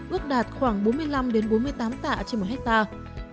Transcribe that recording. ước đạt khoảng bốn mươi năm bốn mươi tám tạ trên một hectare